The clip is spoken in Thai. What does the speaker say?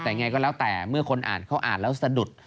แต่ยังไงก็แล้วแต่เมื่อคนอ่านเขาอ่านแล้วสะดุด